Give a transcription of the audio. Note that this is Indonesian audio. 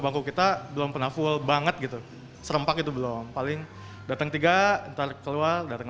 bangku kita belum pernah full banget gitu serempak itu belum paling datang tiga ntar keluar datang